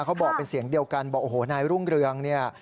เขาบอกเป็นเสียงเดียวกันบอกโอ้โหนายรุ่งเรืองเนี่ย